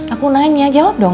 aku nanya jawab dong